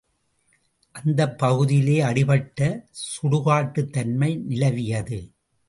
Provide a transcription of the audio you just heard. அந்தப் பகுதியிலே அப்படிப்பட்ட சுடு காட்டுத் தன்மை நிலவியது.